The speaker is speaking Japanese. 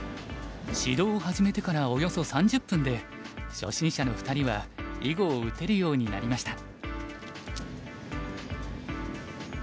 指導を始めてからおよそ３０分で初心者の２人は囲碁を打てるようになりました。